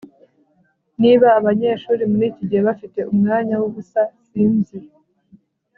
niba abanyeshuri muri iki gihe bafite umwanya wubusa, sinzi